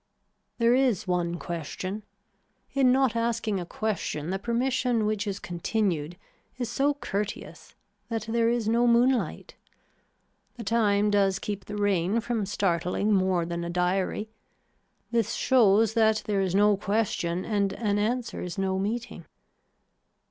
There is one question. In not asking a question the permission which is continued is so courteous that there is no moon light. The time does keep the rain from startling more than a diary. This shows that there is no question and an answer is no meeting.